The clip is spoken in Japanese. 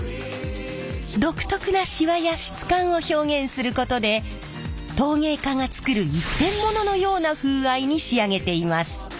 独特なシワや質感を表現することで陶芸家が作る一点物のような風合いに仕上げています。